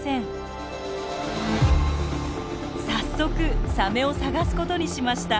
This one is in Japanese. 早速サメを探すことにしました。